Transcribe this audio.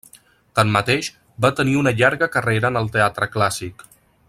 Tanmateix, va tenir una llarga carrera en el teatre clàssic.